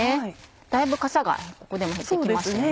だいぶかさがここでも減って来ましたよね。